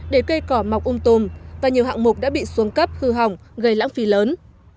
để cây cỏ mọc ung tùm và nhiều hạng mục đã bị xuống cấp hư hỏng gây lãng phí lớn